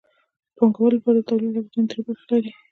د پانګوالو لپاره د تولید لګښتونه درې برخې لري